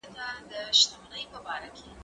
زه له سهاره واښه راوړم